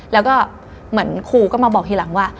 แล้วก็เหมือนครูก็มาบอกทีหลังว่า